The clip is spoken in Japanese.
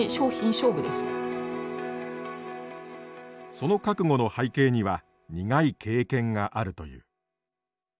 その覚悟の背景には苦い経験があるという。